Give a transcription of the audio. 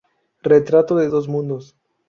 Retrato de dos mundos.